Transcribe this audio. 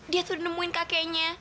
dia tuh udah nemuin kakeknya